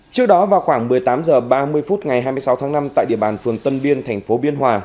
trước đó vào khoảng một mươi tám h ba mươi phút ngày hai mươi sáu tháng năm tại địa bàn phường tân biên thành phố biên hòa